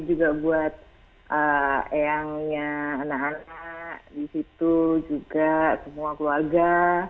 juga buat eyangnya anak anak di situ juga semua keluarga